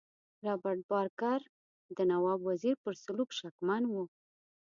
رابرټ بارکر د نواب وزیر پر سلوک شکمن وو.